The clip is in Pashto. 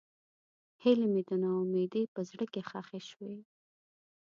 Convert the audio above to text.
هیلې مې د نا امیدۍ په زړه کې ښخې شوې.